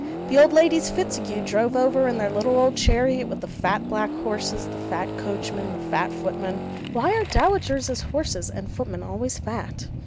The old Ladies Fitzague drove over in their little old chariot with the fat black horses, the fat coachman, the fat footman (why are dowagers' horses and footmen always fat?)